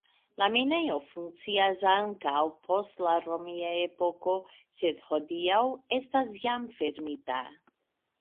La minejo funkciis ankaŭ post al romia epoko, sed hodiaŭ estas jam fermita.